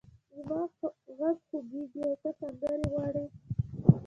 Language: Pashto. زما غږ خوږېږې او ته سندرې غواړې!